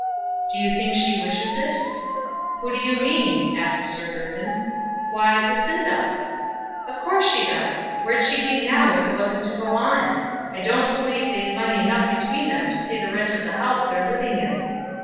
"Do you think she wishes it?" "Who do you mean?" asked Sir Griffin. "Why; Lucinda." "Of course she does. Where'd she be now if it wasn't to go on? I don't believe they've money enough between them to pay the rent of the house they're living in."